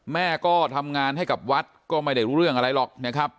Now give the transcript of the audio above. แม่ก็ทำงานให้กับวัดก็ไม่ได้รู้เรื่องอะไรหรอกนะครับ